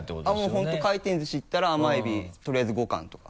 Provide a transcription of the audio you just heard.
もう本当回転ずし行ったら甘エビとりあえず５貫とか。